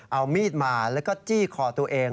เอามีดมาแล้วก็จี้คอตัวเอง